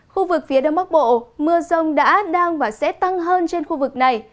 khu vực phía đông bắc bộ mưa rông đã đang và sẽ tăng hơn trên khu vực này